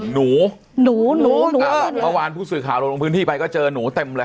หนูหนูหนูหนูเมื่อวานผู้สื่อข่าวเราลงพื้นที่ไปก็เจอหนูเต็มเลย